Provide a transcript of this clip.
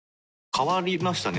変わりましたね。